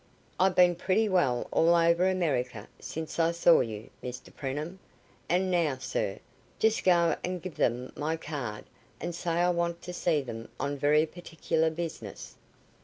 "I've been pretty well all over America since I saw you, Mr Preenham, and now, sir, just go and give them my card and say I want to see them on very particular business."